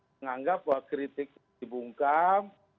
menganggap bahwa kritik dibungkam